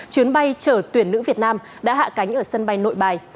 chuyến bay chở tuyển nữ việt nam đã hạ cánh ở sân bay nội bài